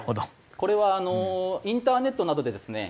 これはあのインターネットなどでですね